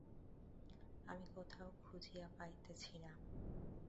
আমি কোথাও খুঁজিয়া পাইতেছি না।